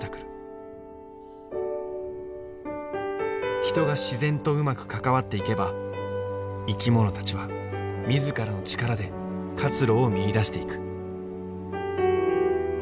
人が自然とうまく関わっていけば生き物たちは自らの力で活路を見いだしていく。